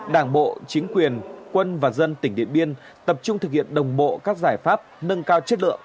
đảng bộ chính quyền quân và dân tỉnh điện biên tập trung thực hiện đồng bộ các giải pháp nâng cao chất lượng